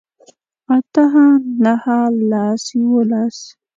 اتۀ نهه لس يوولس